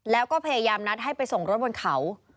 แล้วก็พยายามนัดให้ไปส่งรถบนเขา